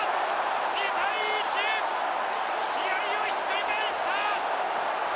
２対１試合をひっくり返した！